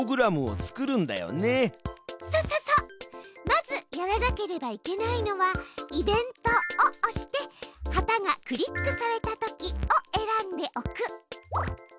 まずやらなければいけないのは「イベント」を押して「旗がクリックされたとき」を選んでおく。